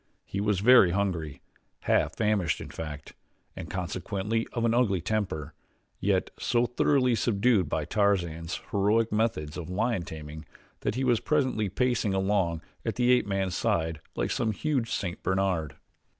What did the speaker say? He was very hungry half famished in fact and consequently of an ugly temper, yet so thoroughly subdued by Tarzan's heroic methods of lion taming that he was presently pacing along at the ape man's side like some huge St. Bernard.